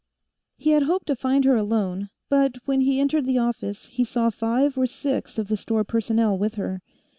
He had hoped to find her alone, but when he entered the office, he saw five or six of the store personnel with her.